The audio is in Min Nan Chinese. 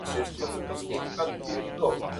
閣